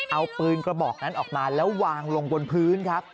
เอาปืนกระบอกนั้นออกมาแล้ววางลงบนพื้นครับ